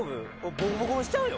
ボコボコにしちゃうよ？